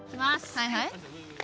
はいはい。